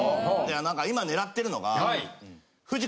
今狙ってるのが。